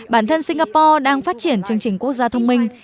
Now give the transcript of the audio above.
bản thân singapore đang phát triển chương trình quốc gia thông minh